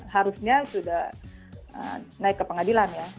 harusnya sudah naik ke pengadilan ya